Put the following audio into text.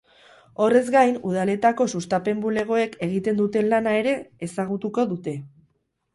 Horrez gain, udaletako sustapen bulegoek egiten duten lana ere ezagutuko dute.